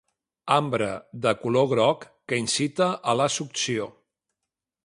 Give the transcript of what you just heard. Ambre de color groc que incita a la succió.